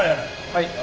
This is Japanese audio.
はい。